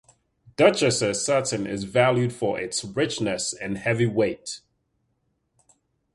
Duchesse satin is valued for its richness and heavy weight.